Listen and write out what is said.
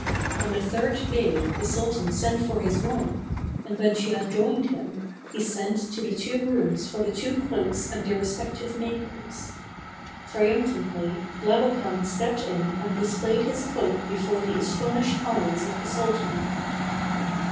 On the third day the sultan sent for his wife, and when she had joined him, he sent to the two rooms for the two cloaks and their respective makers. Triumphantly Labakan stepped in and displayed his cloak before the astonished eyes of the sultan.